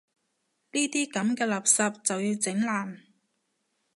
呢啲噉嘅垃圾就要整爛